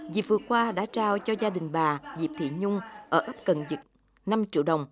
dịp vừa qua đã trao cho gia đình bà dịp thị nhung ở ấp cần dịch năm triệu đồng